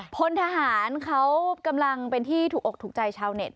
พลทหารเขากำลังเป็นที่ถูกอกถูกใจชาวเน็ต